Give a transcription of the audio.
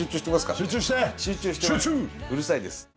うるさいです。